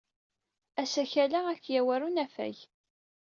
Asakal-a ad k-yawey ɣer unafag.